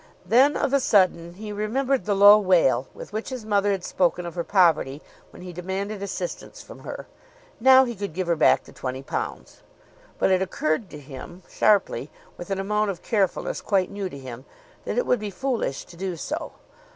Then, of a sudden, he remembered the low wail with which his mother had spoken of her poverty when he demanded assistance from her. Now he could give her back the £20. But it occurred to him sharply, with an amount of carefulness quite new to him, that it would be foolish to do so.